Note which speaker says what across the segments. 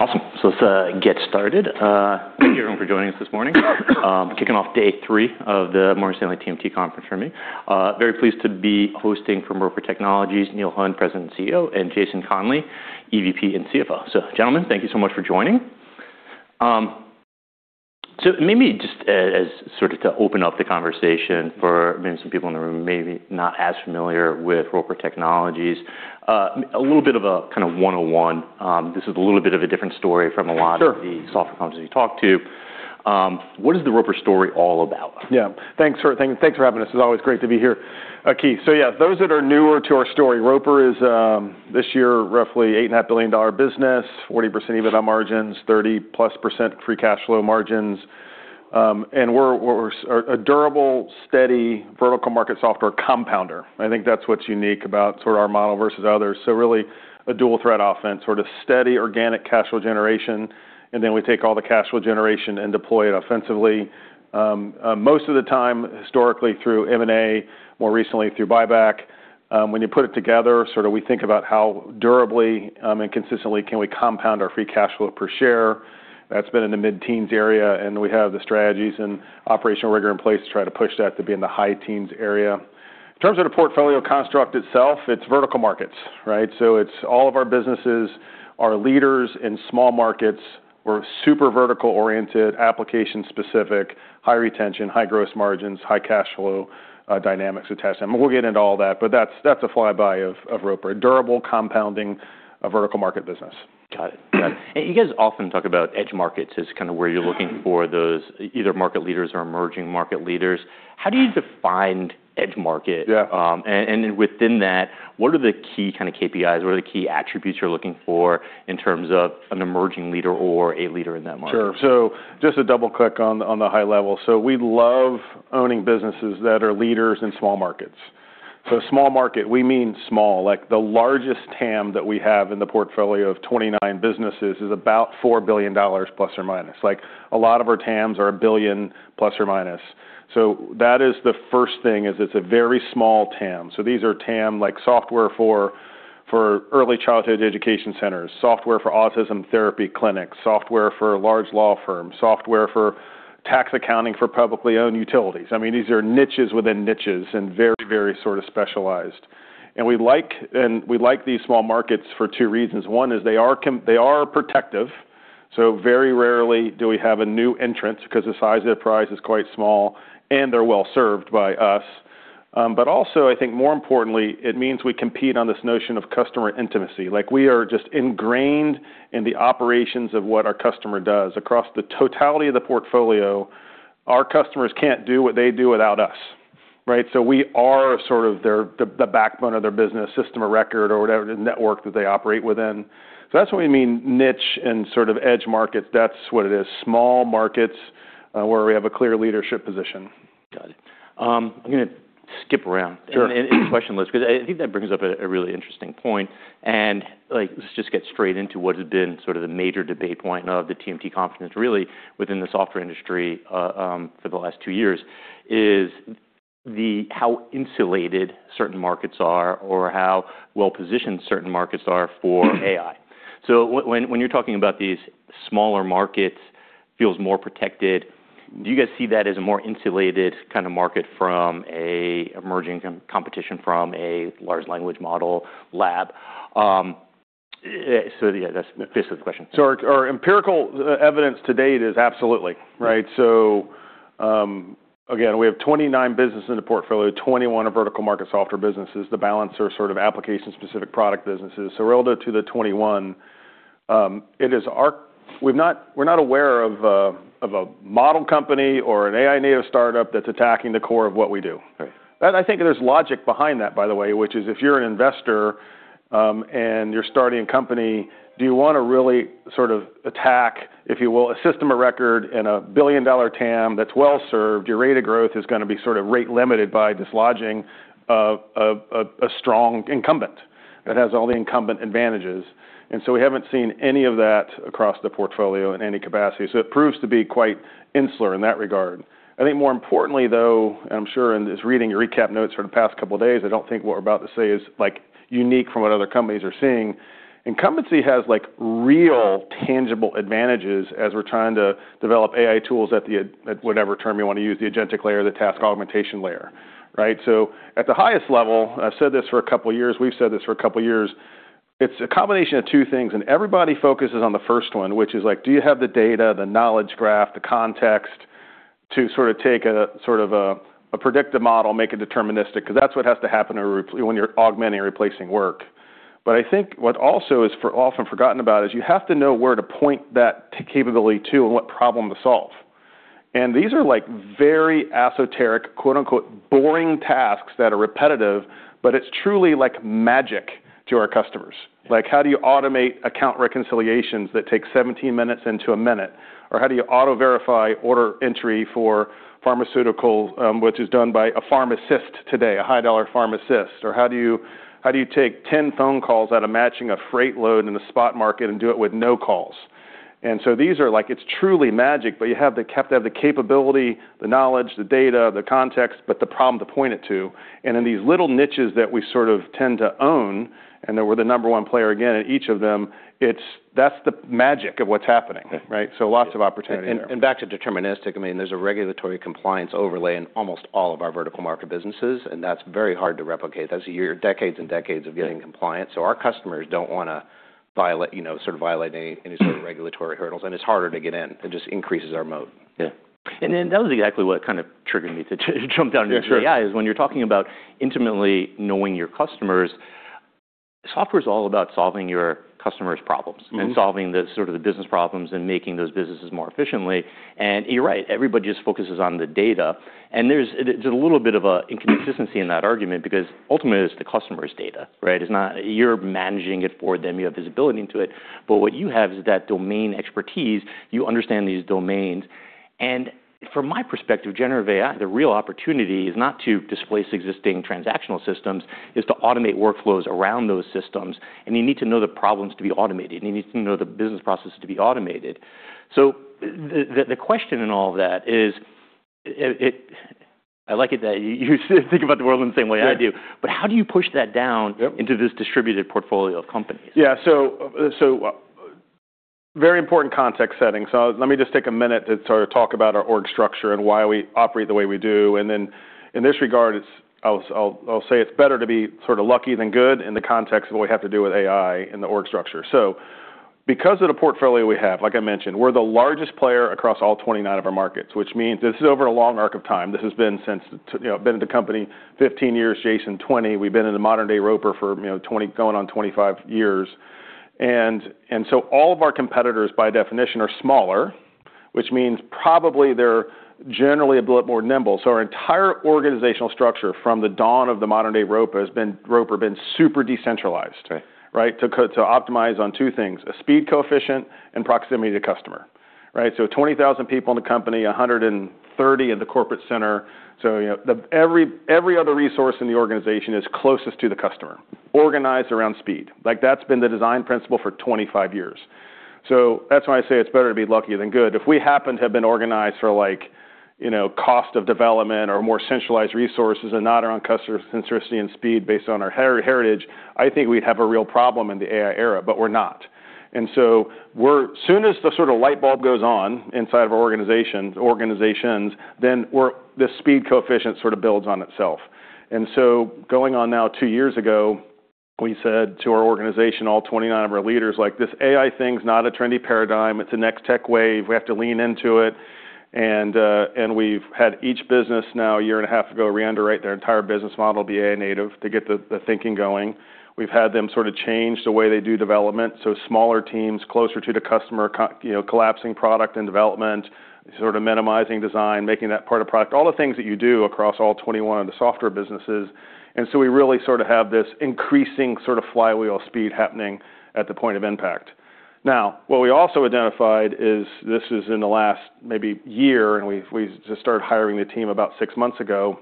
Speaker 1: Awesome. Let's get started. Thank you everyone for joining us this morning. Kicking off day three of the Morgan Stanley TMT conference for me. Very pleased to be hosting from Roper Technologies, Neil Hunn, President and CEO, and Jason Conley, EVP and CFO. Gentlemen, thank you so much for joining. Maybe just as sort of to open up the conversation for maybe some people in the room maybe not as familiar with Roper Technologies, a little bit of a kind of one-on-one. This is a little bit of a different story from a lot-
Speaker 2: Sure....
Speaker 1: of the software companies you talk to. What is the Roper story all about?
Speaker 2: Yeah. Thanks for, thank you. Thanks for having us. It's always great to be here, Keith. Yeah, those that are newer to our story, Roper is this year roughly $8.5 billion business, 40% EBITDA margins, 30%+ free cash flow margins. We're a durable, steady vertical market software compounder. I think that's what's unique about sort of our model versus others. Really a dual threat offense, sort of steady organic cash flow generation, and then we take all the cash flow generation and deploy it offensively, most of the time historically through M&A, more recently through buyback. When you put it together, sort of we think about how durably and consistently can we compound our free cash flow per share. That's been in the mid-teens area, and we have the strategies and operational rigor in place to try to push that to be in the high-teens area. In terms of the portfolio construct itself, it's vertical markets, right? It's all of our businesses are leaders in small markets. We're super vertical-oriented, application-specific, high retention, high gross margins, high cash flow dynamics attached. We'll get into all that, but that's a flyby of Roper, durable compounding a vertical market business.
Speaker 1: Got it. You guys often talk about edge markets as kind of where you're looking for those either market leaders or emerging market leaders. How do you define edge market?
Speaker 2: Yeah.
Speaker 1: Within that, what are the key kind of KPIs? What are the key attributes you're looking for in terms of an emerging leader or a leader in that market?
Speaker 2: Sure. Just to double-click on the high level. We love owning businesses that are leaders in small markets. Small market, we mean small, like the largest TAM that we have in the portfolio of 29 businesses is about $4 billion±. Like, a lot of our TAMs are $1 billion±. That is the first thing, is it's a very small TAM. These are TAM like software for early childhood education centers, software for autism therapy clinics, software for large law firms, software for tax accounting for publicly owned utilities. I mean, these are niches within niches and very, very sort of specialized. We like these small markets for two reasons. One is they are protective, very rarely do we have a new entrant because the size of the prize is quite small, and they're well-served by us. But also I think more importantly, it means we compete on this notion of customer intimacy. Like, we are just ingrained in the operations of what our customer does. Across the totality of the portfolio, our customers can't do what they do without us, right? We are sort of their... the backbone of their business, system of record or whatever, the network that they operate within. That's what we mean niche and sort of edge markets. That's what it is. Small markets, where we have a clear leadership position.
Speaker 1: Got it. I'm gonna skip around.
Speaker 2: Sure.
Speaker 1: In question list, 'cause I think that brings up a really interesting point. Like, let's just get straight into what has been sort of the major debate point of the TMT conference really within the software industry for the last two years, is the how insulated certain markets are or how well-positioned certain markets are for AI. When you're talking about these smaller markets feels more protected, do you guys see that as a more insulated kind of market from emerging competition from a large language model lab? Yeah, that's faces the question.
Speaker 2: Our, our empirical evidence to date is absolutely, right. Again, we have 29 business in the portfolio, 21 are vertical market software businesses. The balance are sort of application-specific product businesses. Relative to the 21, we're not aware of a model company or an AI native startup that's attacking the core of what we do.
Speaker 1: Okay.
Speaker 2: I think there's logic behind that, by the way, which is if you're an investor, and you're starting a company, do you wanna really sort of attack, if you will, a system of record in a billion-dollar TAM that's well-served, your rate of growth is gonna be sort of rate limited by dislodging a strong incumbent that has all the incumbent advantages. We haven't seen any of that across the portfolio in any capacity. It proves to be quite insular in that regard. I think more importantly, though, and I'm sure in just reading your recap notes for the past couple of days, I don't think what we're about to say is, like, unique from what other companies are seeing. Incumbency has, like, real tangible advantages as we're trying to develop AI tools at the, at whatever term you wanna use, the agentic layer, the task augmentation layer, right? At the highest level, I've said this for a couple of years, we've said this for a couple of years, it's a combination of two things, and everybody focuses on the first one, which is, like, do you have the data, the knowledge graph, the context to sort of take a, sort of a predictive model, make it deterministic? 'Cause that's what has to happen when you're augmenting or replacing work. I think what also is often forgotten about is you have to know where to point that capability to and what problem to solve. These are, like, very esoteric, quote-unquote, "boring tasks" that are repetitive, but it's truly like magic to our customers. Like, how do you automate account reconciliations that take 17 minutes into a minute? Or how do you auto-verify order entry for pharmaceutical, which is done by a pharmacist today, a high-dollar pharmacist? Or how do you take 10 phone calls out of matching a freight load in a spot market and do it with no calls? These are like, it's truly magic, but you have the capability, the knowledge, the data, the context, but the problem to point it to. In these little niches that we sort of tend to own, and that we're the number one player again in each of them, that's the magic of what's happening, right? Lots of opportunity there.
Speaker 3: Back to deterministic, I mean, there's a regulatory compliance overlay in almost all of our vertical market businesses. That's very hard to replicate. That's decades and decades of getting compliant. Our customers don't wanna violate, you know, sort of violate any sort of regulatory hurdles, and it's harder to get in. It just increases our moat.
Speaker 2: Yeah.
Speaker 1: That was exactly what kind of triggered me to jump down into AI-
Speaker 2: Yeah, sure....
Speaker 1: Is when you're talking about intimately knowing your customers, software's all about solving your customers' problems-
Speaker 2: Mm-hmm....
Speaker 1: and solving the sort of the business problems and making those businesses more efficiently. You're right, everybody just focuses on the data. There's a little bit of an inconsistency in that argument because ultimately it's the customer's data, right? You're managing it for them, you have visibility into it, but what you have is that domain expertise. You understand these domains. From my perspective, generative AI, the real opportunity is not to displace existing transactional systems, is to automate workflows around those systems, and you need to know the problems to be automated, and you need to know the business processes to be automated. The question in all of that is, it, I like it that you think about the world in the same way I do.
Speaker 2: Yeah.
Speaker 1: How do you push that down-
Speaker 2: Yep....
Speaker 1: into this distributed portfolio of companies?
Speaker 2: Yeah. Very important context setting. Let me just take a minute to sort of talk about our org structure and why we operate the way we do. In this regard, I'll, I'll say it's better to be sort of lucky than good in the context of what we have to do with AI in the org structure. Because of the portfolio we have, like I mentioned, we're the largest player across all 29 of our markets, which means this is over a long arc of time. This has been since... You know, been at the company 15 years, Jason 20. We've been in the modern day Roper for, you know, going on 25 years. All of our competitors, by definition, are smaller, which means probably they're generally a bit more nimble. Our entire organizational structure from the dawn of the modern day Roper has been Roper, super decentralized.
Speaker 1: Right.
Speaker 2: Right? To optimize on two things, a speed coefficient and proximity to customer. Right? 20,000 people in the company, 130 in the corporate center. You know, every other resource in the organization is closest to the customer, organized around speed. Like, that's been the design principle for 5 years. That's why I say it's better to be lucky than good. If we happen to have been organized for like, you know, cost of development or more centralized resources and not around customer centricity and speed based on our heritage, I think we'd have a real problem in the AI era, but we're not. Soon as the sort of light bulb goes on inside of our organizations, then the speed coefficient sort of builds on itself. Going on now two years ago, we said to our organization, all 29 of our leaders, like, "This AI thing's not a trendy paradigm. It's the next tech wave. We have to lean into it." We've had each business now a year and a half ago reunderwrite their entire business model, be AI native to get the thinking going. We've had them sort of change the way they do development, so smaller teams closer to the customer you know, collapsing product and development, sort of minimizing design, making that part of product, all the things that you do across all 21 of the software businesses. We really sort of have this increasing sort of flywheel speed happening at the point of impact. What we also identified is, this is in the last maybe year, and we've just started hiring the team about six months ago,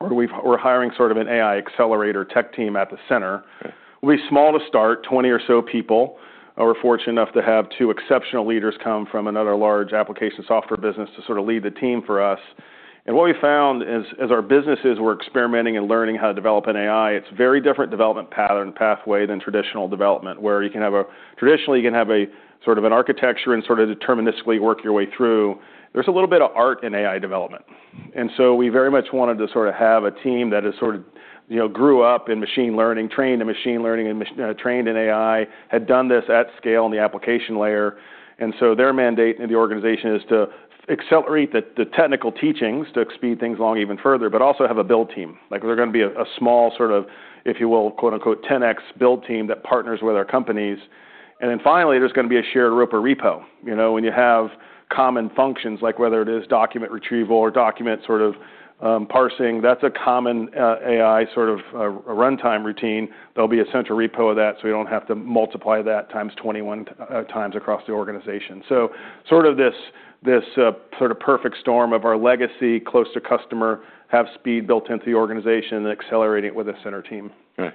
Speaker 2: where we're hiring sort of an AI accelerator tech team at the center.
Speaker 1: Okay.
Speaker 2: We're small to start, 20 or so people. We're fortunate enough to have two exceptional leaders come from another large application software business to sort of lead the team for us. What we found is, as our businesses were experimenting and learning how to develop an AI, it's very different development pathway than traditional development, Traditionally, you can have a sort of an architecture and sort of deterministically work your way through. There's a little bit of art in AI development. So we very much wanted to sort of have a team that is sort of, you know, grew up in machine learning, trained in machine learning, trained in AI, had done this at scale in the application layer. Their mandate in the organization is to accelerate the technical teachings to speed things along even further, but also have a build team. Like, they're gonna be a small sort of, if you will, quote unquote, "10x build team" that partners with our companies. Finally, there's gonna be a shared Roper repo. You know, when you have common functions, like whether it is document retrieval or document sort of parsing, that's a common AI sort of a runtime routine. There'll be a central repo of that, so we don't have to multiply that times 21 times across the organization. Sort of this sort of perfect storm of our legacy, close to customer, have speed built into the organization, and accelerating it with a center team.
Speaker 1: Right.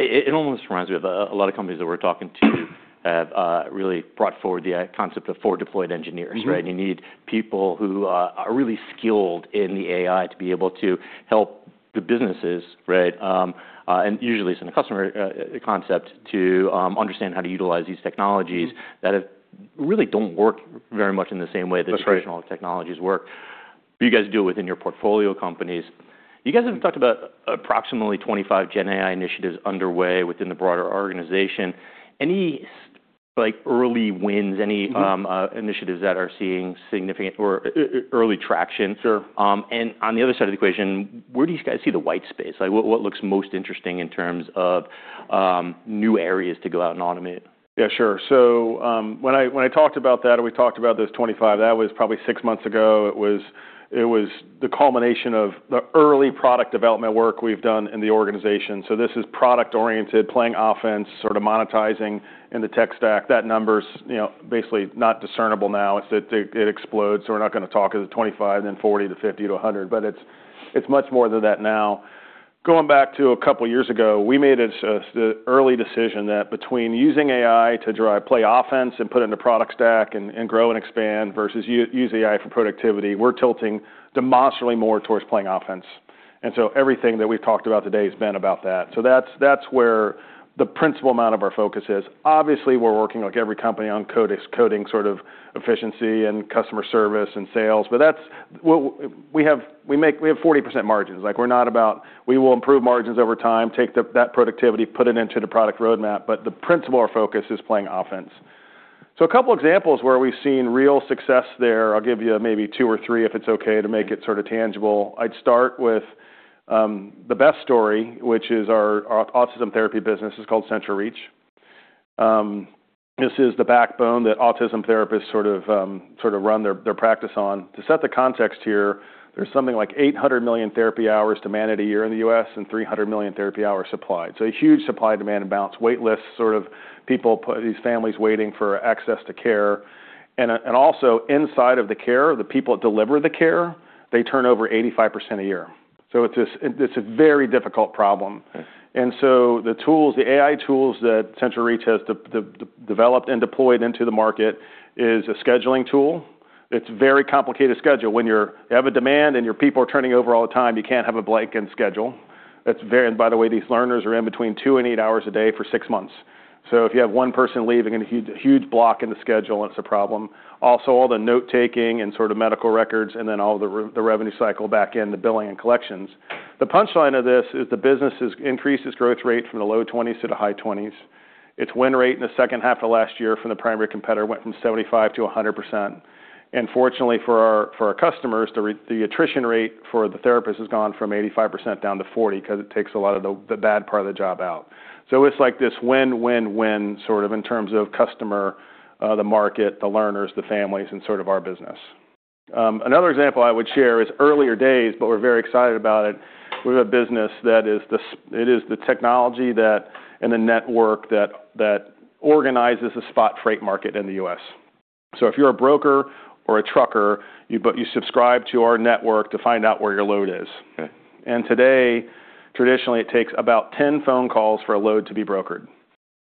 Speaker 1: It almost reminds me of, a lot of companies that we're talking to have, really brought forward the concept of forward-deployed engineers.
Speaker 2: Mm-hmm.
Speaker 1: Right? You need people who are really skilled in the AI to be able to help the businesses, right, and usually it's in a customer concept to understand how to utilize these technologies-
Speaker 2: Mm-hmm....
Speaker 1: that really don't work very much in the same way-
Speaker 2: That's right....
Speaker 1: the traditional technologies work. You guys do it within your portfolio companies. You guys have talked about approximately 25 gen AI initiatives underway within the broader organization. Any like early wins, any-
Speaker 2: Mm-hmm....
Speaker 1: initiatives that are seeing significant or early traction?
Speaker 2: Sure.
Speaker 1: On the other side of the equation, where do you guys see the white space? Like, what looks most interesting in terms of new areas to go out and automate?
Speaker 2: Yeah, sure. When I talked about that or we talked about those 25, that was probably six months ago. It was the culmination of the early product development work we've done in the organization. This is product-oriented, playing offense, sort of monetizing in the tech stack. That number's, you know, basically not discernible now. It explodes, we're not gonna talk. Is it 25, and then 40 to 50 to 100? It's much more than that now. Going back to a couple years ago, we made the early decision that between using AI to drive, play offense and put it into product stack and grow and expand versus use AI for productivity, we're tilting demonstrably more towards playing offense. Everything that we've talked about today has been about that. That's where the principal amount of our focus is. Obviously, we're working like every company on coding sort of efficiency and customer service and sales. We have 40% margins. Like, we're not about we will improve margins over time, take that productivity, put it into the product roadmap, but the principal focus is playing offense. A couple examples where we've seen real success there, I'll give you maybe two or three, if it's okay, to make it sort of tangible. I'd start with the best story, which is our autism therapy business. It's called CentralReach. This is the backbone that autism therapists sort of run their practice on. To set the context here, there's something like 800 million therapy hours demanded a year in the U.S. and 300 million therapy hours supplied. A huge supply-demand imbalance, wait lists, sort of people, these families waiting for access to care. Also inside of the care, the people that deliver the care, they turn over 85% a year. It's a very difficult problem.
Speaker 1: Yes.
Speaker 2: The tools, the AI tools that CentralReach has developed and deployed into the market is a scheduling tool. It's a very complicated schedule. When you have a demand and your people are turning over all the time, you can't have a blank end schedule. That's very. These learners are in between two and eight hours a day for six months. If you have one person leaving, a huge, huge block in the schedule, and it's a problem. All the note-taking and sort of medical records, and then all the revenue cycle back in, the billing and collections. The punchline of this is the business has increased its growth rate from the low 20s to the high 20s. Its win rate in the second half of last year from the primary competitor went from 75% to 100%. Fortunately for our customers, the attrition rate for the therapist has gone from 85% down to 40 because it takes a lot of the bad part of the job out. It's like this win-win-win sort of in terms of customer, the market, the learners, the families, and sort of our business. Another example I would share is earlier days, but we're very excited about it. We have a business that it is the technology that and the network that organizes a spot freight market in the U.S. If you're a broker or a trucker, you subscribe to our network to find out where your load is.
Speaker 1: Okay.
Speaker 2: Today, traditionally, it takes about 10 phone calls for a load to be brokered.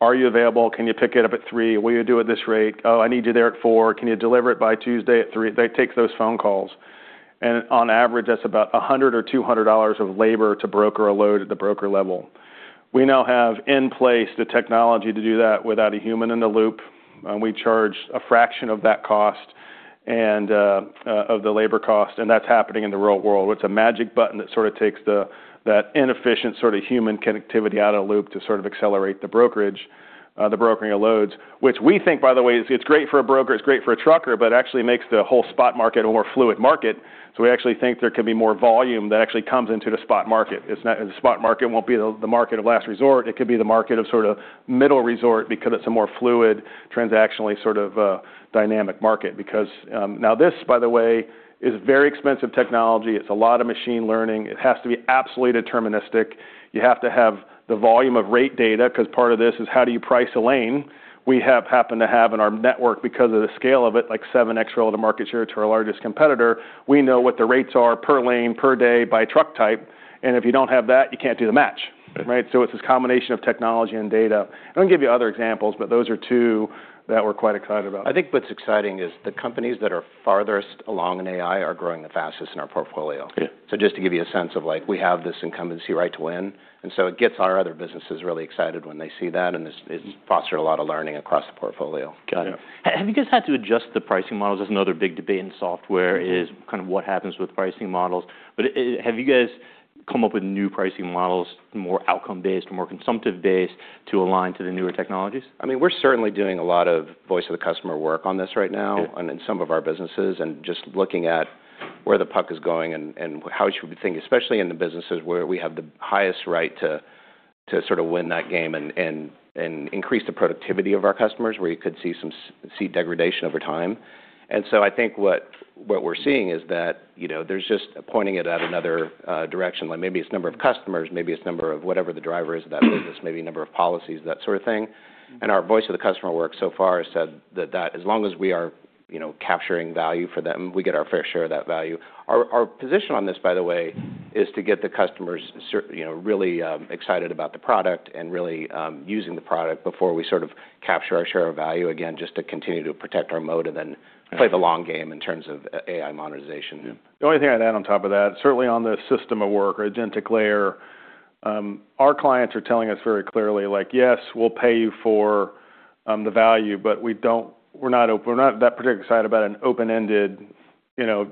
Speaker 2: Are you available? Can you pick it up at three? Will you do it this rate? Oh, I need you there at four. Can you deliver it by Tuesday at three? They take those phone calls, and on average, that's about $100 or $200 of labor to broker a load at the broker level. We now have in place the technology to do that without a human in the loop. We charge a fraction of that cost and of the labor cost, and that's happening in the real world. It's a magic button that sort of takes the, that inefficient sort of human connectivity out of the loop to sort of accelerate the brokerage, the brokering of loads, which we think, by the way, it's great for a broker, it's great for a trucker, but actually makes the whole spot market a more fluid market. We actually think there could be more volume that actually comes into the spot market. The spot market won't be the market of last resort. It could be the market of sort of middle resort because it's a more fluid transactionally sort of dynamic market. This, by the way, is very expensive technology. It's a lot of machine learning. It has to be absolutely deterministic. You have to have the volume of rate data because part of this is how do you price a lane. We have happened to have in our network because of the scale of it, like seven extra market share to our largest competitor. We know what the rates are per lane, per day by truck type, and if you don't have that, you can't do the match, right? It's this combination of technology and data. I can give you other examples, but those are two that we're quite excited about.
Speaker 3: I think what's exciting is the companies that are farthest along in AI are growing the fastest in our portfolio.
Speaker 1: Yeah.
Speaker 3: Just to give you a sense of like, we have this incumbency right to win, and so it gets our other businesses really excited when they see that-
Speaker 1: Mm-hmm....
Speaker 3: it's fostered a lot of learning across the portfolio.
Speaker 1: Got it.
Speaker 3: Yeah.
Speaker 1: Have you guys had to adjust the pricing models? That's another big debate in software-
Speaker 3: Mm-hmm....
Speaker 1: is kind of what happens with pricing models. Have you guys come up with new pricing models, more outcome-based, more consumptive-based to align to the newer technologies?
Speaker 3: I mean, we're certainly doing a lot of voice of the customer work on this right now-
Speaker 1: Yeah....
Speaker 3: on some of our businesses, just looking at where the puck is going and how we should be thinking, especially in the businesses where we have the highest right to sort of win that game and increase the productivity of our customers, where you could see some degradation over time. I think what we're seeing is that, you know, there's just pointing it at another direction. Like, maybe it's number of customers, maybe it's number of whatever the driver is of that business, maybe number of policies, that sort of thing. Our voice of the customer work so far has said that as long as we are, you know, capturing value for them, we get our fair share of that value. Our position on this, by the way, is to get the customers you know, really excited about the product and really using the product before we sort of capture our share of value. Again, just to continue to protect our mode and then play the long game in terms of AI monetization.
Speaker 2: The only thing I'd add on top of that, certainly on the system of work or agentic layer, our clients are telling us very clearly, like, "Yes, we'll pay you for the value, but we're not that particularly excited about an open-ended, you know,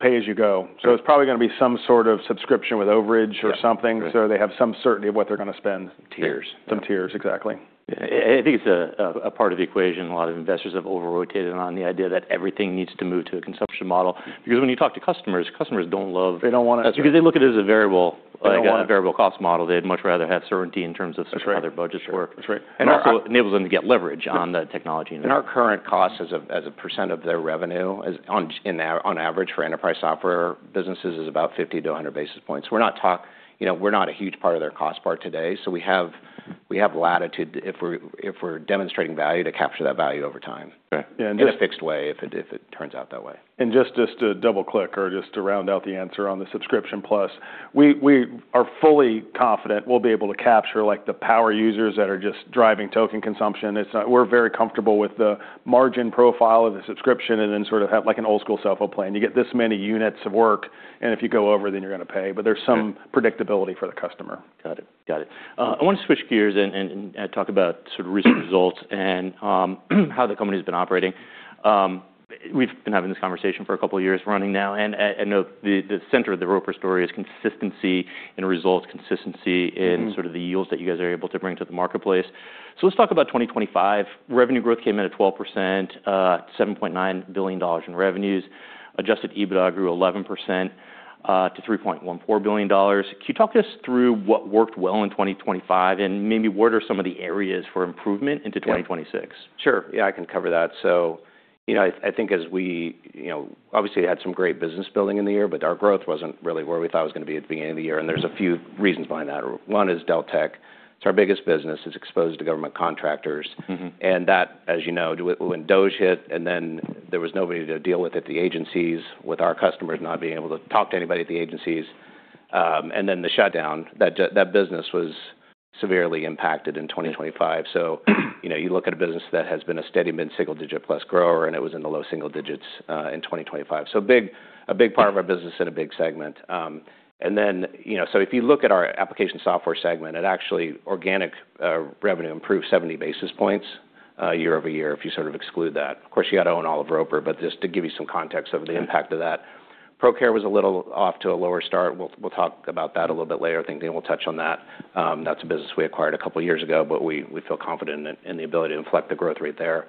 Speaker 2: pay-as-you-go." It's probably gonna be some sort of subscription with overage or something.
Speaker 3: Yeah. Right.
Speaker 2: They have some certainty of what they're gonna spend.
Speaker 3: Tiers.
Speaker 2: Some tiers, exactly.
Speaker 1: I think it's a part of the equation a lot of investors have over-rotated on, the idea that everything needs to move to a consumption model. When you talk to customers don't love-
Speaker 2: They don't wanna-
Speaker 1: Because they look at it as a variable-
Speaker 2: They don't wanna-
Speaker 1: Like a variable cost model. They'd much rather have certainty in terms of-
Speaker 2: That's right....
Speaker 1: how their budgets work.
Speaker 2: That's right.
Speaker 1: Also enables them to get leverage on the technology.
Speaker 3: Our current cost as a percent of their revenue is on average for enterprise software businesses is about 50 to 100 basis points. You know, we're not a huge part of their cost part today, so we have- We have latitude if we're demonstrating value to capture that value over time.
Speaker 1: Okay.
Speaker 3: In a fixed way if it turns out that way.
Speaker 2: Just to double-click or just to round out the answer on the subscription plus, we are fully confident we'll be able to capture, like, the power users that are just driving token consumption. We're very comfortable with the margin profile of the subscription, and then sort of have like an old school cell phone plan. You get this many units of work, and if you go over, then you're gonna pay. There's some-
Speaker 1: Yeah
Speaker 2: predictability for the customer.
Speaker 1: Got it. Got it. I wanna switch gears and talk about sort of recent results and how the company's been operating. We've been having this conversation for a couple years running now, and I know the center of the Roper story is consistency in results, consistency in-
Speaker 3: Mm-hmm....
Speaker 1: sort of the yields that you guys are able to bring to the marketplace. Let's talk about 2025. Revenue growth came in at 12%, $7.9 billion in revenues. Adjusted EBITDA grew 11% to $3.14 billion. Can you talk us through what worked well in 2025, and maybe what are some of the areas for improvement into 2026?
Speaker 3: Sure. Yeah, I can cover that. You know, I think as we, you know, obviously had some great business building in the year, but our growth wasn't really where we thought it was gonna be at the beginning of the year, and there's a few reasons behind that. One is Deltek. It's our biggest business. It's exposed to government contractors.
Speaker 1: Mm-hmm.
Speaker 3: That, as you know, when DOGE hit, and then there was nobody to deal with at the agencies, with our customers not being able to talk to anybody at the agencies, and then the shutdown. That business was severely impacted in 2025. You know, you look at a business that has been a steady mid-single digit plus grower, and it was in the low single digits in 2025. Big... a big part of our business in a big segment. Then, you know, if you look at our application software segment, it actually, organic revenue improved 70 basis points year-over-year if you sort of exclude that. Of course, you gotta own all of Roper, but just to give you some context of the impact of that.
Speaker 1: Okay.
Speaker 3: Procare was a little off to a lower start. We'll talk about that a little bit later. I think Dan will touch on that. That's a business we acquired a couple years ago, but we feel confident in the ability to inflect the growth rate there.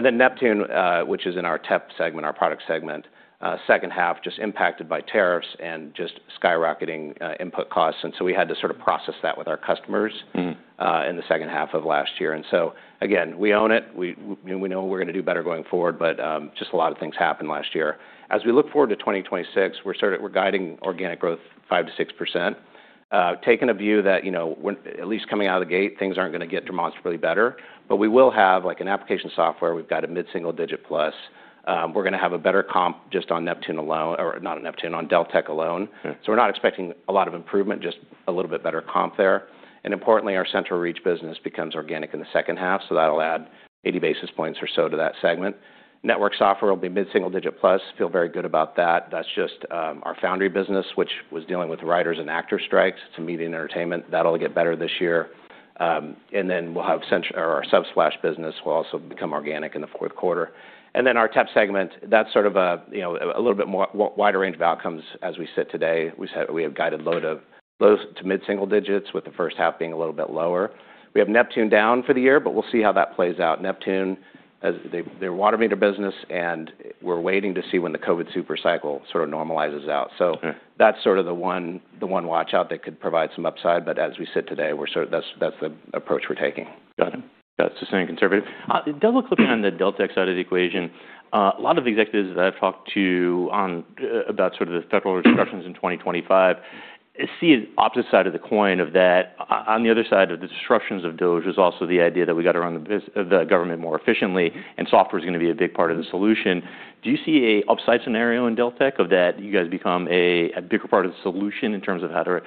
Speaker 3: Neptune, which is in our TEP segment, our product segment, second half just impacted by tariffs and just skyrocketing input costs, and so we had to sort of process that with our customers-
Speaker 1: Mm-hmm....
Speaker 3: in the second half of last year. Again, we own it. We, you know, we know we're gonna do better going forward, but just a lot of things happened last year. As we look forward to 2026, we're guiding organic growth 5%-6%, taking a view that, you know, at least coming out of the gate, things aren't gonna get demonstrably better. We will have, like, an application software. We've got a mid-single digit plus. We're gonna have a better comp just on Neptune alone, or not on Neptune, on Deltek alone.
Speaker 1: Hmm.
Speaker 3: We're not expecting a lot of improvement, just a little bit better comp there. Importantly, our CentralReach business becomes organic in the second half, so that'll add 80 basis points or so to that segment. Network software will be mid-single digit plus. Feel very good about that. That's just our Foundry business, which was dealing with writers and actors strikes to media and entertainment. That'll get better this year. Then we'll have our Subsplash business will also become organic in the fourth quarter. Then our TEP segment, that's sort of a, you know, a little bit more wide range of outcomes as we sit today. We have guided low to mid-single digits, with the first half being a little bit lower. We have Neptune down for the year, but we'll see how that plays out. Neptune, they're a water meter business, and we're waiting to see when the COVID super cycle sort of normalizes out-
Speaker 1: Sure....
Speaker 3: that's sort of the one watch-out that could provide some upside. As we sit today, That's the approach we're taking.
Speaker 1: Got it. That's the same conservative. Double-clicking on the Deltek side of the equation, a lot of executives that I've talked to on about sort of the federal disruptions in 2025 see an opposite side of the coin of that. On the other side of the disruptions of DOGE is also the idea that we got to run the government more efficiently, and software's gonna be a big part of the solution. Do you see a upside scenario in Deltek of that you guys become a bigger part of the solution in terms of how to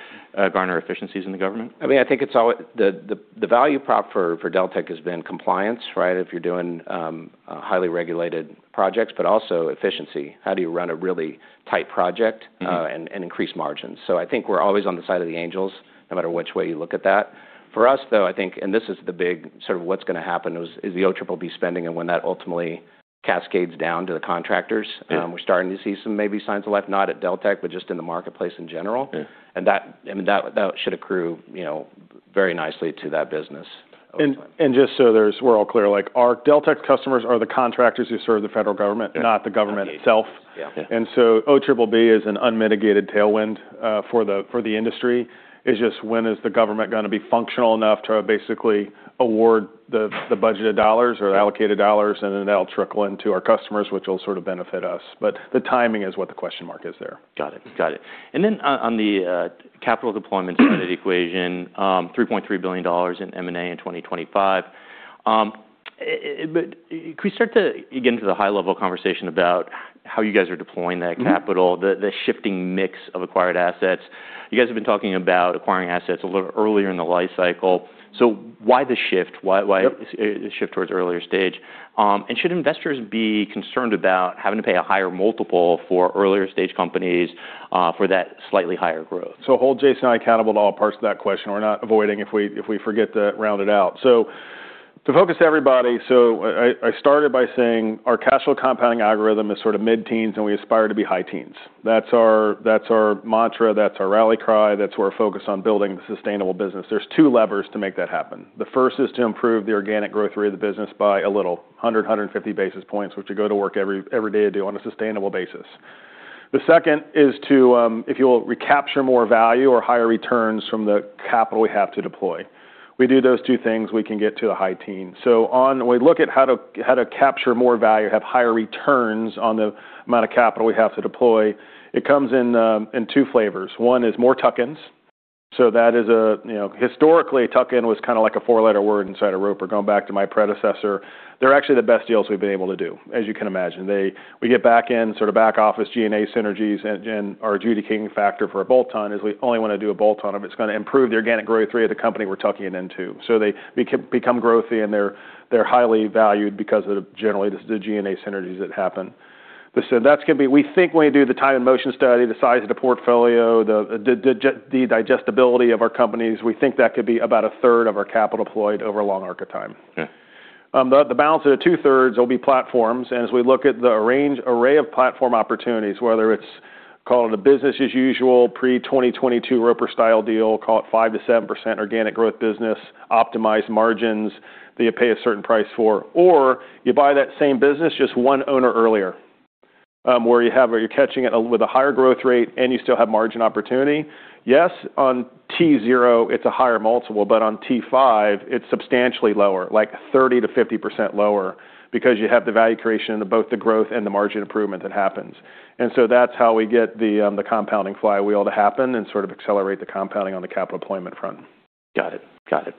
Speaker 1: garner efficiencies in the government?
Speaker 3: I mean, I think it's the value prop for Deltek has been compliance, right? If you're doing highly regulated projects, but also efficiency. How do you run a really tight project-
Speaker 1: Mm-hmm....
Speaker 3: and increase margins? I think we're always on the side of the angels, no matter which way you look at that. For us, though, I think, and this is the big sort of what's gonna happen, is the OBBB spending and when that ultimately cascades down to the contractors.
Speaker 1: Yeah.
Speaker 3: We're starting to see some maybe signs of life, not at Deltek, but just in the marketplace in general.
Speaker 1: Yeah.
Speaker 3: That should accrue, you know, very nicely to that business over time.
Speaker 2: Just so we're all clear, like, our Deltek customers are the contractors who serve the federal government.
Speaker 3: Yeah.
Speaker 2: Not the government itself.
Speaker 3: Yeah.
Speaker 2: OBBB is an unmitigated tailwind for the industry. It's just when is the government gonna be functional enough to basically award the budgeted dollars or allocated dollars, and then that'll trickle into our customers, which will sort of benefit us. The timing is what the question ark is there.
Speaker 1: Got it. Got it. On the capital deployment side of the equation, $3.3 billion in M&A in 2025. Can we start to get into the high-level conversation about how you guys are deploying that capital-
Speaker 2: Mm-hmm....
Speaker 1: the shifting mix of acquired assets. You guys have been talking about acquiring assets a little earlier in the life cycle. Why the shift? Why-
Speaker 2: Yep....
Speaker 1: the shift towards earlier stage? Should investors be concerned about having to pay a higher multiple for earlier stage companies, for that slightly higher growth?
Speaker 2: Hold Jason and I accountable to all parts of that question. We're not avoiding if we forget to round it out. To focus everybody, I started by saying our casual compounding algorithm is sort of mid-teens, and we aspire to be high teens. That's our, that's our mantra. That's our rally cry. That's where we're focused on building a sustainable business. There's two levers to make that happen. The first is to improve the organic growth rate of the business by a little, 100-150 basis points, which we go to work every day to do on a sustainable basis. The second is to, if you'll recapture more value or higher returns from the capital we have to deploy. We do those two things, we can get to a high teen. On... When we look at how to capture more value, have higher returns on the amount of capital we have to deploy, it comes in two flavors. One is more tuck-ins That is a, you know, historically, tuck-in was kind of like a four-letter word inside of Roper, going back to my predecessor. They're actually the best deals we've been able to do, as you can imagine. We get back in sort of back-office G&A synergies, and our adjudicating factor for a bolt-on is we only want to do a bolt-on if it's gonna improve the organic growth rate of the company we're tucking it into. They become growthy, and they're highly valued because of the generally just the G&A synergies that happen. That's gonna be... We think when we do the time and motion study, the size of the portfolio, the digestibility of our companies, we think that could be about a third of our capital deployed over a long arc of time.
Speaker 1: Yeah.
Speaker 2: The balance of the two-thirds will be platforms. As we look at the array of platform opportunities, whether it's, call it a business as usual, pre 2022 Roper style deal, call it 5%-7% organic growth business, optimized margins that you pay a certain price for, or you buy that same business just one owner earlier, where you have or you're catching it with a higher growth rate and you still have margin opportunity. Yes, on T zero, it's a higher multiple, but on T five, it's substantially lower, like 30%-50% lower because you have the value creation of both the growth and the margin improvement that happens. That's how we get the compounding flywheel to happen and sort of accelerate the compounding on the capital deployment front.
Speaker 1: Got it. Got it.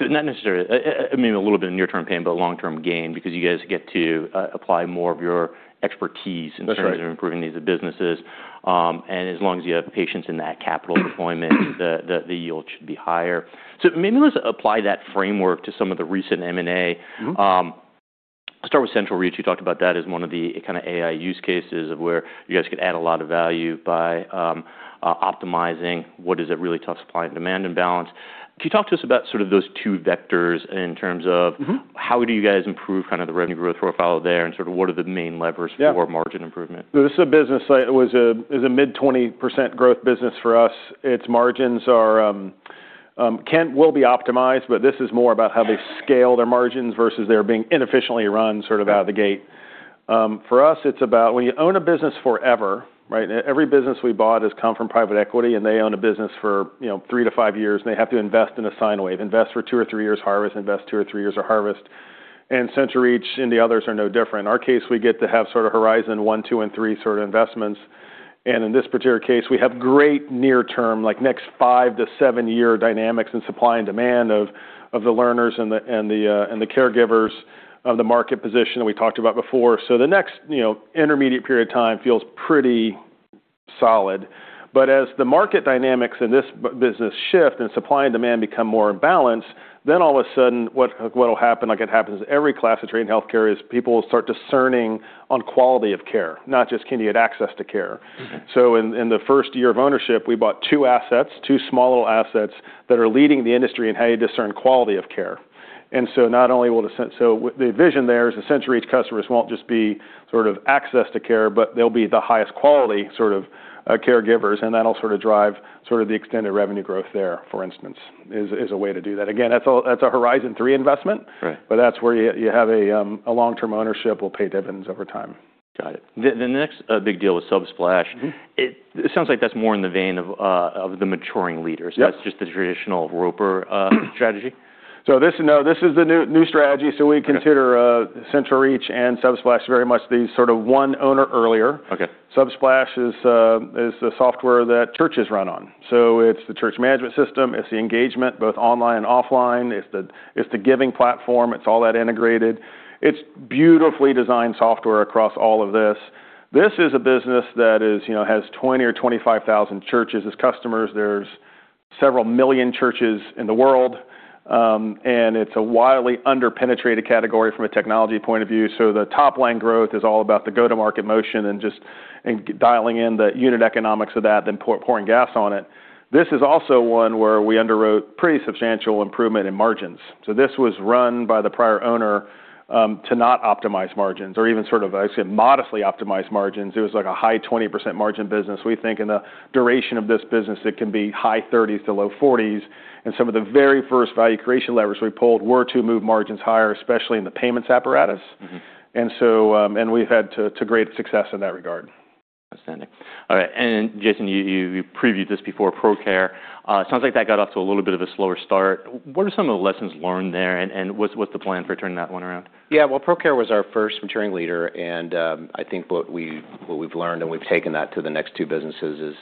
Speaker 1: Not necessarily, I mean, a little bit of near-term pain, but long-term gain because you guys get to apply more of your expertise.
Speaker 2: That's right.
Speaker 1: In terms of improving these businesses. As long as you have patience in that capital deployment, the yield should be higher. Maybe let's apply that framework to some of the recent M&A.
Speaker 2: Mm-hmm.
Speaker 1: Start with CentralReach. You talked about that as one of the kind of AI use cases of where you guys could add a lot of value by optimizing what is a really tough supply and demand imbalance. Can you talk to us about those two vectors in terms of?
Speaker 2: Mm-hmm
Speaker 1: How do you guys improve kind of the revenue growth profile there and sort of what are the main levers-
Speaker 2: Yeah....
Speaker 1: For margin improvement?
Speaker 2: This is a business that was, is a mid 20% growth business for us. Its margins are, will be optimized, but this is more about how they scale their margins versus they're being inefficiently run sort of out of the gate. For us, it's about when you own a business forever, right? Every business we bought has come from private equity, and they own a business for, you know, three to five years, and they have to invest in a sine wave, invest for two or three years, harvest, invest two or three years, or harvest. CentralReach and the others are no different. In our case, we get to have sort of horizon one, two, and three sort of investments. In this particular case, we have great near term, like next five-to-seven-year dynamics in supply and demand of the learners and the, and the, and the caregivers of the market position that we talked about before. The next, you know, intermediate period of time feels pretty solid. As the market dynamics in this business shift and supply and demand become more imbalanced, then all of a sudden, what'll happen, like it happens in every class of trade in healthcare, is people will start discerning on quality of care, not just can you get access to care.
Speaker 1: Mm-hmm.
Speaker 2: In the first year of ownership, we bought two assets, two small little assets that are leading the industry in how you discern quality of care. The vision there is that CentralReach customers won't just be sort of access to care, but they'll be the highest quality sort of caregivers, and that'll sort of drive sort of the extended revenue growth there, for instance, is a way to do that. Again, that's a horizon three investment.
Speaker 1: Right.
Speaker 2: That's where you have a long-term ownership will pay dividends over time.
Speaker 1: Got it. The next big deal with Subsplash.
Speaker 2: Mm-hmm.
Speaker 1: It sounds like that's more in the vein of the maturing leaders.
Speaker 2: Yeah.
Speaker 1: That's just the traditional Roper strategy.
Speaker 2: No, this is the new strategy.
Speaker 1: Okay.
Speaker 2: We consider, CentralReach and Subsplash very much the sort of one owner earlier.
Speaker 1: Okay.
Speaker 2: Subsplash is the software that churches run on. It's the church management system, it's the engagement, both online and offline. It's the, it's the giving platform. It's all that integrated. It's beautifully designed software across all of this. This is a business that is, you know, has 20,000 or 25,000 churches as customers. There's several million churches in the world, it's a widely under-penetrated category from a technology point of view. The top-line growth is all about the go-to-market motion and dialing in the unit economics of that, then pouring gas on it. This is also one where we underwrote pretty substantial improvement in margins. This was run by the prior owner, to not optimize margins or even sort of, I say, modestly optimize margins. It was like a high 20% margin business. We think in the duration of this business, it can be high thirties to low forties, and some of the very first value creation levers we pulled were to move margins higher, especially in the payments apparatus.
Speaker 1: Mm-hmm.
Speaker 2: We've had to great success in that regard.
Speaker 1: Outstanding. All right. Jason, you previewed this before, Procare. Sounds like that got off to a little bit of a slower start. What are some of the lessons learned there, and what's the plan for turning that one around?
Speaker 3: Yeah. Well, Procare was our first maturing leader, and, I think what we've learned, and we've taken that to the next two businesses, is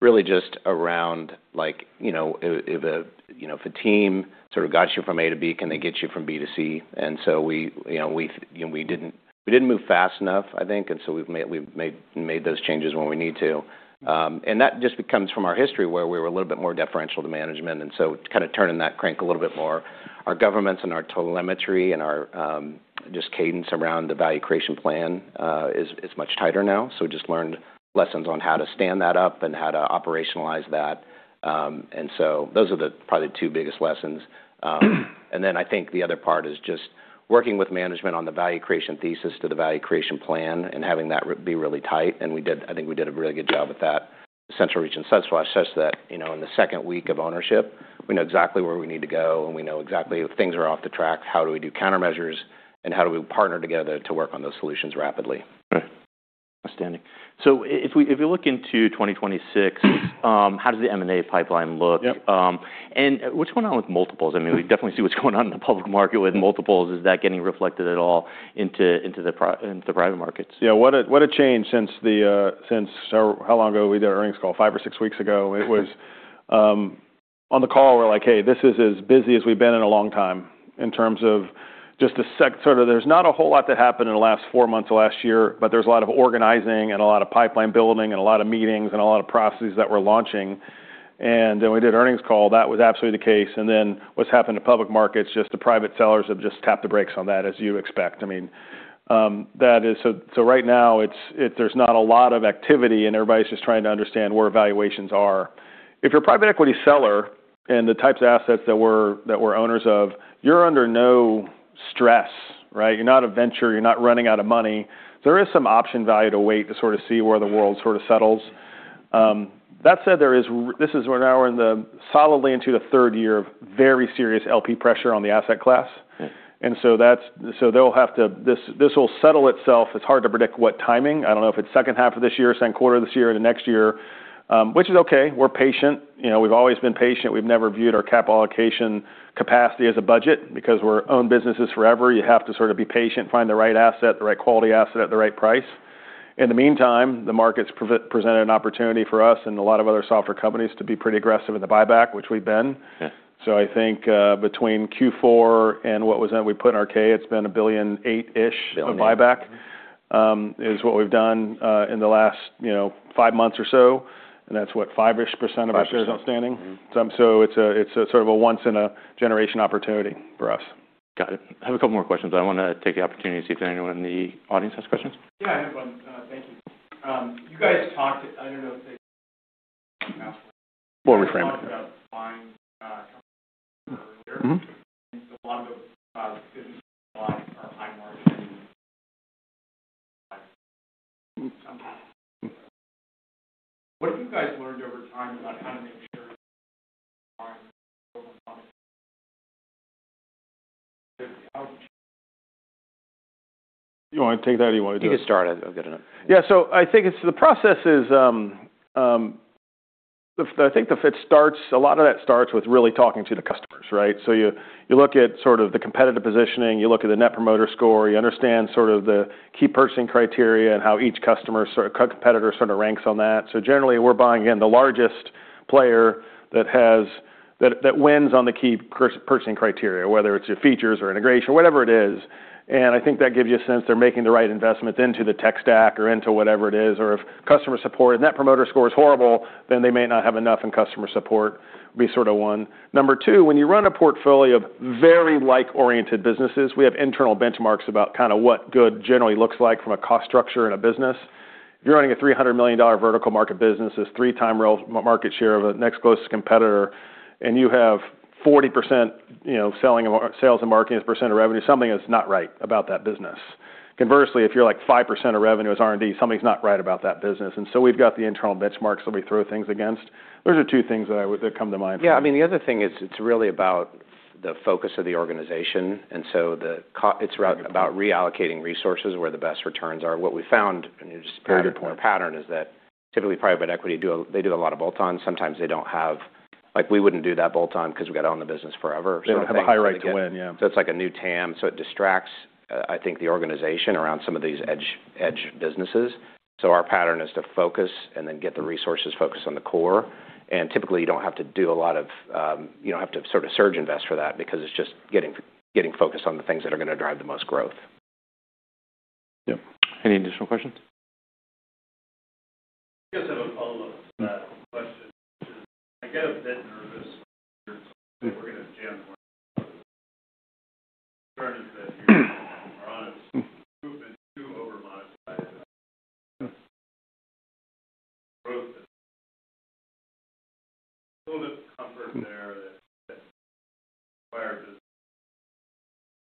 Speaker 3: really just around like, you know, if a, you know, if a team sort of got you from A to B, can they get you from B to C? We, you know, we didn't move fast enough, I think. We've made those changes when we need to. That just comes from our history, where we were a little bit more deferential to management. Kind of turning that crank a little bit more. Our governance and our telemetry and our, just cadence around the value creation plan, is much tighter now. We just learned lessons on how to stand that up and how to operationalize that. Those are the probably two biggest lessons. Then I think the other part is just working with management on the value creation thesis to the value creation plan and having that be really tight. I think we did a really good job with that at CentralReach and Subsplash, such that, you know, in the second week of ownership, we know exactly where we need to go, and we know exactly if things are off the track, how do we do countermeasures, and how do we partner together to work on those solutions rapidly.
Speaker 1: Okay. Outstanding. If we look into 2026, how does the M&A pipeline look?
Speaker 2: Yep.
Speaker 1: What's going on with multiples? I mean, we definitely see what's going on in the public market with multiples. Is that getting reflected at all into the private markets?
Speaker 2: Yeah. What a, what a change since the since how long ago we did our earnings call? five to six weeks ago, it was. On the call, we're like, "Hey, this is as busy as we've been in a long time," in terms of just there's not a whole lot that happened in the last four months of last year, but there's a lot of organizing and a lot of pipeline building and a lot of meetings and a lot of processes that we're launching. We did earnings call. That was absolutely the case. What's happened to public markets, just the private sellers have just tapped the brakes on that, as you expect. I mean, right now, there's not a lot of activity, and everybody's just trying to understand where valuations are. If you're a private equity seller in the types of assets that we're, that we're owners of, you're under no stress, right? You're not a venture. You're not running out of money. There is some option value to wait to sort of see where the world sort of settles. That said, there is we're now in the solidly into the third year of very serious LP pressure on the asset class.
Speaker 1: Yeah.
Speaker 2: This will settle itself. It's hard to predict what timing. I don't know if it's second half of this year, second quarter of this year, or the next year. Which is okay. We're patient. You know, we've always been patient. We've never viewed our capital allocation capacity as a budget because we're owned businesses forever. You have to sort of be patient, find the right asset, the right quality asset at the right price. In the meantime, the market's presented an opportunity for us and a lot of other software companies to be pretty aggressive in the buyback, which we've been.
Speaker 1: Yeah.
Speaker 2: I think, between Q4 and what was that we put in our K, it's been $1.8 billion-ish-
Speaker 1: Billion....
Speaker 2: of buyback, is what we've done, in the last, you know, 5 months or so. That's what? 5-ish % of our-
Speaker 1: Five, sure....
Speaker 2: shares outstanding. It's a sort of a once in a generation opportunity for us.
Speaker 1: Got it. I have a couple more questions. I wanna take the opportunity to see if anyone in the audience has questions.
Speaker 4: Yeah, I have one. Thank you. You guys talked, I don't know if it's...
Speaker 3: We'll reframe it.
Speaker 4: Talked about buying, earlier.
Speaker 2: Mm-hmm.
Speaker 4: A lot of those businesses you buy are high margin. What have you guys learned over time about how to make sure?
Speaker 2: You wanna take that or you want me to take it?
Speaker 3: You can start. I've got it up.
Speaker 2: Yeah. I think it's... The process is, I think the fit starts, a lot of that starts with really talking to the customers, right? You, you look at sort of the competitive positioning. You look at the Net Promoter Score. You understand sort of the key purchasing criteria and how each competitor sort of ranks on that. Generally, we're buying in the largest player that wins on the key purchasing criteria, whether it's your features or integration, whatever it is. I think that gives you a sense they're making the right investments into the tech stack or into whatever it is. If customer support and Net Promoter Score is horrible, then they may not have enough in customer support. Be sort of one. Number two, when you run a portfolio of very like-oriented businesses, we have internal benchmarks about kind of what good generally looks like from a cost structure in a business. If you're running a $300 million vertical market business, there's 3x market share of the next closest competitor, and you have 40%, you know, selling and sales and marketing percent of revenue, something is not right about that business. Conversely, if you're like 5% of revenue is R&D, something's not right about that business. We've got the internal benchmarks that we throw things against. Those are two things that come to mind.
Speaker 3: Yeah. I mean, the other thing is it's really about the focus of the organization. It's rather about reallocating resources where the best returns are. What we found-
Speaker 2: Very good point....
Speaker 3: pattern after pattern, is that typically private equity they do a lot of bolt-ons. Sometimes they don't have... Like, we wouldn't do that bolt-on because we've got to own the business forever sort of thing.
Speaker 2: They don't have a high right to win. Yeah.
Speaker 3: It's like a new TAM, so it distracts, I think, the organization around some of these edge businesses. Our pattern is to focus and then get the resources focused on the core. Typically, you don't have to do a lot of, you don't have to sort of surge invest for that because it's just getting focused on the things that are gonna drive the most growth.
Speaker 2: Yeah.
Speaker 1: Any additional questions?
Speaker 4: I just have a follow-up to that question, which is I get a bit nervous that we're gonna jam. The concern is that we've been too over monetize. Little bit of comfort there that acquired business,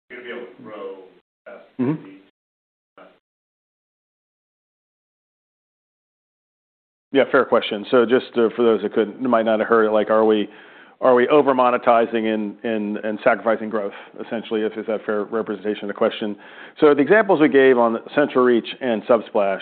Speaker 4: we're gonna be able to grow.
Speaker 2: Yeah, fair question. just for those that might not have heard it, like, are we over monetizing and sacrificing growth, essentially? Is that fair representation of the question? The examples we gave on CentralReach and Subsplash.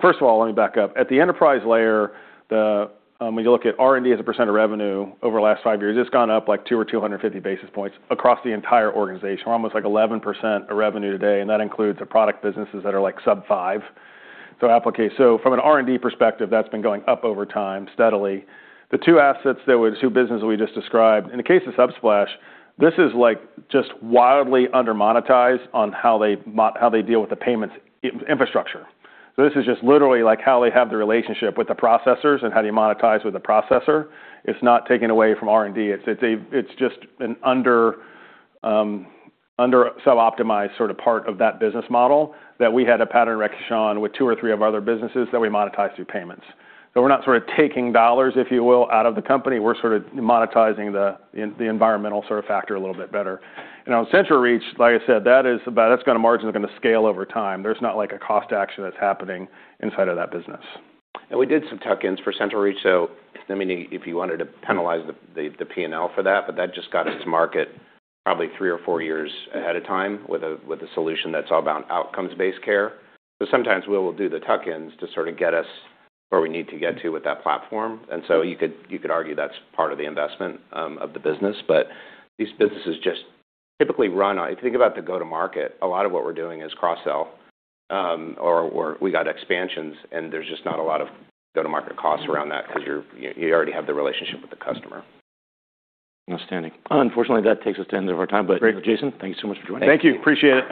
Speaker 2: First of all, let me back up. At the enterprise layer, when you look at R&D as a percent of revenue over the last five years, it's gone up like two or 250 basis points across the entire organization. We're almost like 11% of revenue today, and that includes the product businesses that are like sub five. From an R&D perspective, that's been going up over time steadily. The two businesses we just described, in the case of Subsplash, this is like just wildly under monetized on how they deal with the payments infrastructure. This is just literally like how they have the relationship with the processors and how do you monetize with the processor. It's not taking away from R&D. It's, it's just an under sub-optimized sort of part of that business model that we had a pattern recognition with two or three of our other businesses that we monetize through payments. We're not sort of taking dollars, if you will, out of the company. We're sort of monetizing the environmental sort of factor a little bit better. You know, CentralReach, like I said, that's gone to margin, is gonna scale over time. There's not like a cost action that's happening inside of that business.
Speaker 3: We did some tuck-ins for CentralReach, so I mean, if you wanted to penalize the P&L for that, but that just got us to market probably three or four years ahead of time with a solution that's all about outcomes-based care. Sometimes we will do the tuck-ins to sort of get us where we need to get to with that platform. So you could, you could argue that's part of the investment of the business. These businesses just typically run on... If you think about the go-to-market, a lot of what we're doing is cross-sell, or we got expansions, and there's just not a lot of go-to-market costs around that because you already have the relationship with the customer.
Speaker 1: Outstanding. Unfortunately, that takes us to the end of our time.
Speaker 3: Great.
Speaker 1: Jason, thank you so much for joining.
Speaker 3: Thank you. Appreciate it.